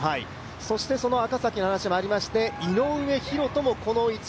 そしてその赤崎の話もありまして、井上大仁もこの位置。